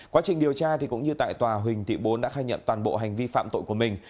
quá trình điều tra cũng như tại tòa huỳnh thị bốn đã khai nhận toàn bộ hành vi phạm tội của mình